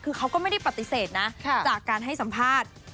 คือเขาก็ไม่ได้ปฏิเสธนะจากการให้สัมภาษณ์